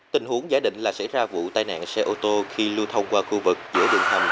tình huống giả định là xảy ra vụ tai nạn xe ô tô khi lưu thông qua khu vực giữa đường hầm